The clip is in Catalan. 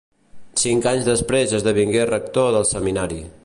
Cinc anys després esdevingué rector del seminari.